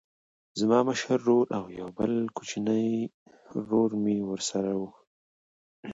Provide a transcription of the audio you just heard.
زه زما مشر ورور او یو بل کوچنی ورور مې ورسره و